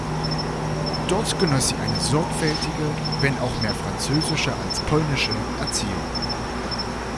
Dort genoss sie eine sorgfältige, wenn auch mehr französische als polnische Erziehung.